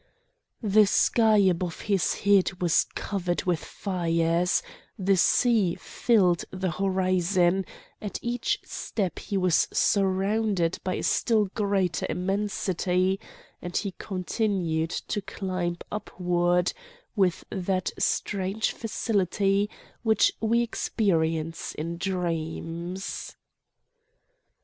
The sky above his head was covered with fires; the sea filled the horizon; at each step he was surrounded by a still greater immensity, and he continued to climb upward with that strange facility which we experience in dreams.